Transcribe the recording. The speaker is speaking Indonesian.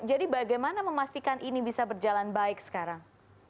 jadi bagaimana memastikan ini bisa berjalan baik sekarang